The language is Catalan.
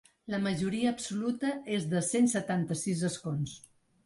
La majoria absoluta és de cent setanta-sis escons.